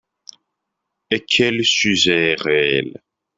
et que le sujet est réel.